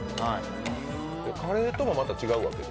カレーともまた違うわけ？